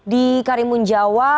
di karimun jawa